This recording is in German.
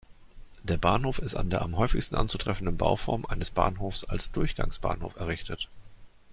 Der Bahnhof ist an der am häufigsten anzutreffenden Bauform eines Bahnhofs als Durchgangsbahnhof errichtet.